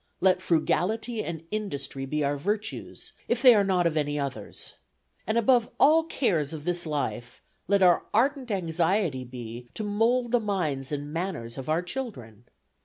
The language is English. Let frugality and industry be our virtues, if they are not of any others. And above all cares of this life, let our ardent anxiety be to mould the minds and manners of our children.